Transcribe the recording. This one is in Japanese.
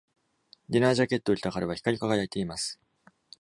ディナージャケットを着た彼は光輝いています